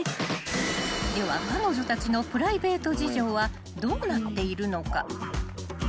［では彼女たちのプライベート事情はどうなっているのか］